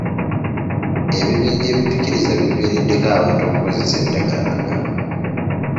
Ebibinja ebipikiriza biviiriddeko abantu okukozesa ebiragalalagala.